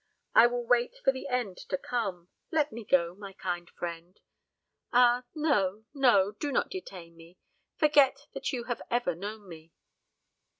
I will wait for the end to come. Let me go, my kind friend. Ah, no, no; do not detain me! Forget that you have ever known me."